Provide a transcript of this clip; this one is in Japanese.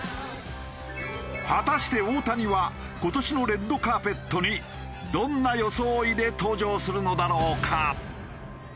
果たして大谷は今年のレッドカーペットにどんな装いで登場するのだろうか？